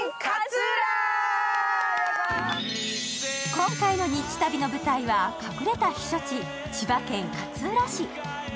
今回のニッチ旅の舞台は隠れた避暑地、千葉県勝浦市。